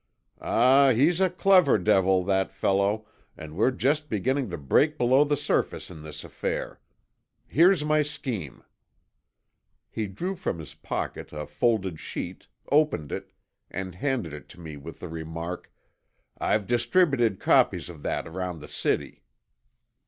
"Ah, he's a clever devil, that fellow, and we're just beginning to break below the surface in this affair. Here's my scheme." He drew from his pocket a folded sheet, opened it, and handed it to me with the remark, "I've distributed copies of that around the city."